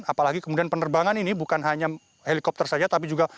apalagi kemudian penerbangan ini bukan hanya helikopter saja tapi juga